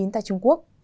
tại trung quốc